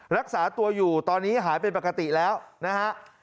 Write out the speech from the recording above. รักษาตัวอยู่ตอนนี้หายเป็นปกติแล้วนะฮะ